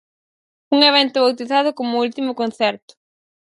Un evento bautizado como 'O último concerto'.